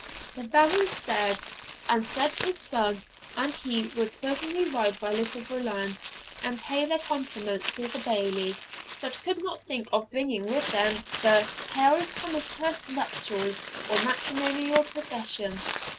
The Baron stared, and said his son and he would certainly ride by Little Veolan and pay their compliments to the Bailie, but could not think of bringing with them the 'haill comitatus nuptialis, or matrimonial procession.'